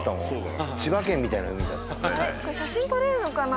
これ写真撮れるのかな？